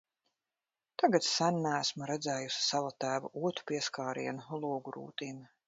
Tagad sen neesmu redzējusi Salatēva otu pieskārienu logu rūtīm.